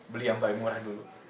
beli yang paling murah dulu